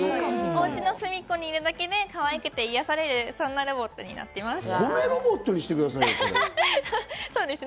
お家の隅っこにいるだけで、かわいくて癒されるロボットになっています。